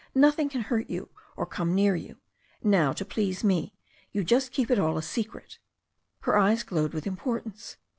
Nothing can hurt you or come near you. Now, to please me, you just keep it all a secret." Her eyes glowed with importance.